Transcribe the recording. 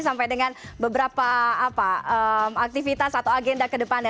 sampai dengan beberapa aktivitas atau agenda ke depannya